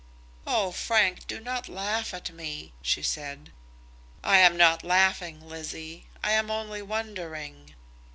"Oh, Frank, do not laugh at me," she said. "I am not laughing, Lizzie; I am only wondering."